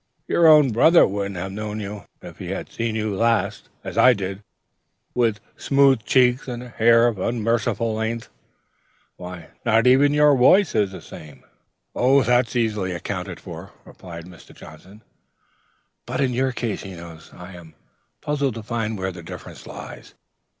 Your own brother wouldn't have known you, if he had seen you last, as I did, with smooth cheeks and hair of unmerciful length. Why, not even your voice is the same!" "That is easily accounted for," replied Mr. Johnson. "But in your case, Enos, I am puzzled to find where the difference lies.